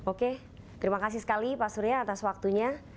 oke terima kasih sekali pak surya atas waktunya